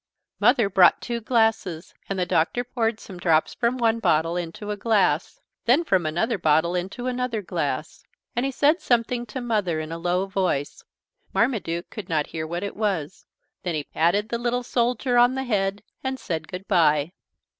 Mother brought two glasses and the Doctor poured some drops from one bottle into a glass, then from another bottle into another glass. And he said something to Mother in a low voice Marmaduke could not hear what it was then he patted the little soldier on the head and said good bye.